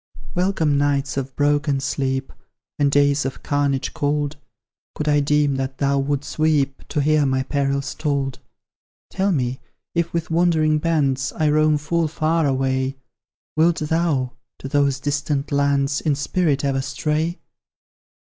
Welcome nights of broken sleep, And days of carnage cold, Could I deem that thou wouldst weep To hear my perils told. Tell me, if with wandering bands I roam full far away, Wilt thou to those distant lands In spirit ever stray?